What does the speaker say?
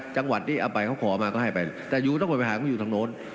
จังหวัดเขาขอมาจะให้ไปแต่อยู่ต้องไปพี่นาดิขอว่าอยู่ตรงโน้น